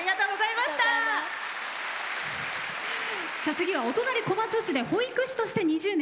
次はお隣、小松市で保育士として２０年。